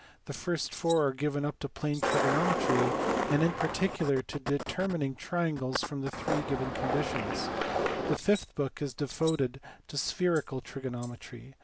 The first four are given up to plane trigonometry, and in particular to determin ing triangles from three given conditions. The fifth book is devoted to spherical trigonometry.